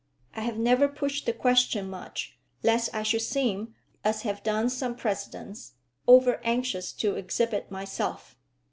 I have never pushed the question much, lest I should seem, as have done some presidents, over anxious to exhibit myself.